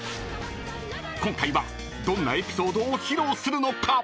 ［今回はどんなエピソードを披露するのか？］